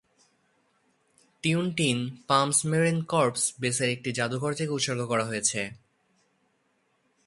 Twentynine Palms Marine Corps বেসের একটি জাদুঘর তাকে উৎসর্গ করা হয়েছে।